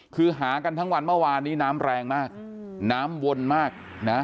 คือหากันทั้งวันเมื่อวานนี้น้ำแรงมากน้ำวนมากนะ